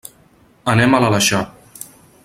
Anem a l'Aleixar.